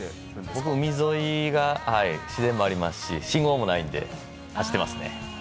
僕は海沿いが自然もありますし信号もないので走っていますね。